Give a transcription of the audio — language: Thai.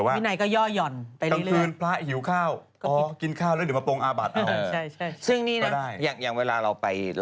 ซึ่งนี้นะแบบอย่างเวลาเราไป